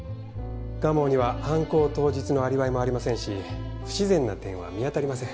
蒲生には犯行当日のアリバイもありませんし不自然な点は見当たりません。